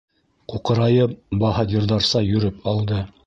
Ҡуҡырайып баһадирҙарса йөрөп алды.